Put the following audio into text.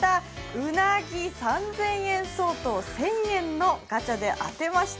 うなぎ、３０００円相当、１０００円のガチャで当てました。